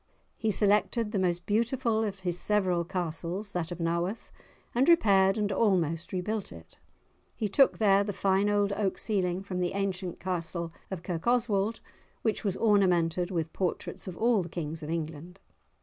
He selected the most beautiful of his several castles, that of Naworth, and repaired and almost rebuilt it; he took there the fine old oak ceiling from the ancient castle of Kirkoswald, which was ornamented with portraits of all the kings of England.